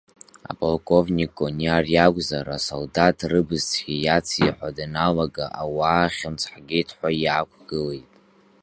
Аполковник Кониар иакәзар, асалдаҭ рыбызцәгьа иациҳәо даналага, ауаа хьымӡӷ ҳгеит ҳәа иаақәгылеит.